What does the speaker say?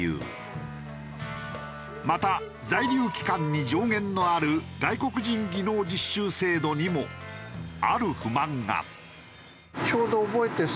また在留期間に上限のある外国人技能実習制度にもある不満が。